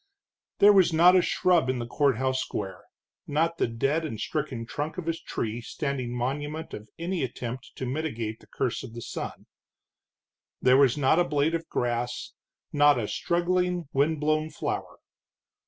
There was not a shrub in the courthouse square, not the dead and stricken trunk of a tree standing monument of any attempt to mitigate the curse of sun. There was not a blade of grass, not a struggling, wind blown flower.